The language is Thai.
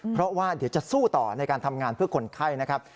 เพราะว่าเดี๋ยวจะสู้ต่อในการทำงานเพื่อคนไข้นะครับ